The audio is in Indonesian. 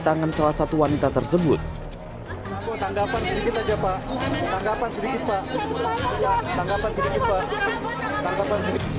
tangan salah satu wanita tersebut tanggapan sedikit aja pak tanggapan sedikit pak tanggapan sedikit pak tanggapan sedikit